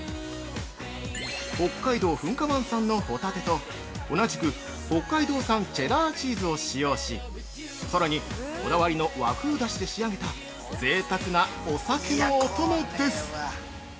北海道・噴火湾産のホタテと同じく北海道産チェダーチーズを使用しさらに、こだわりの和風だしで仕上げたぜいたくなお酒のお供です。